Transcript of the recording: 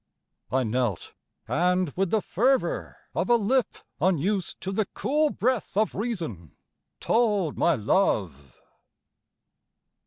I knelt, And with the fervor of a lip unused To the cool breath of reason, told my love.